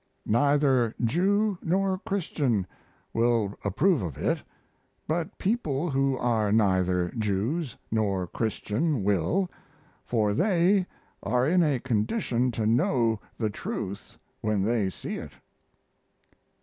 Neither Jew nor Christian will approve of it, but people who are neither Jews nor Christian will, for they are in a condition to know the truth when they see it.